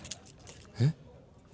えっ？